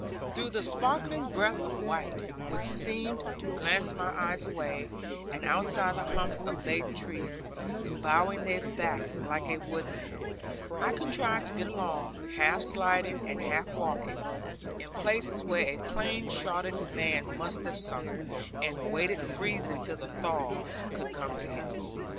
Through the sparkling breadth of white, which seemed to glance my eyes away, and outside the humps of laden trees, bowing their backs like a woodman, I contrived to get along, half sliding and half walking, in places where a plain shodden man must have sunk, and waited freezing till the thaw should come to him.